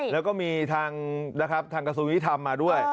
แล้วก็มีทางกระทรูวิธรรมมาด้วย